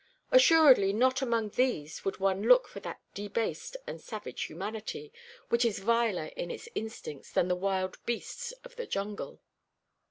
Assuredly not among these would one look for that debased and savage humanity which is viler in its instincts than the wild beasts of the jungle.